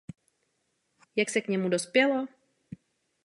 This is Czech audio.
Jak se k němu dospělo?